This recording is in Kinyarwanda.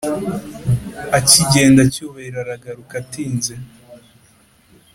akigenda cyubahiro aragaruka atinze